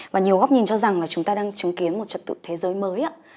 và nhiều góc nhìn cho rằng là chúng ta đang chứng kiến một trật tự thế giới mới ạ